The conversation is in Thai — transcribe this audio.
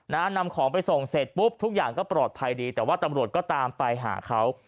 นำของไปส่งเสร็จปุ๊บทุกอย่างก็ปลอดภัยดีแต่ว่าตำรวจก็ตามไปหาเขา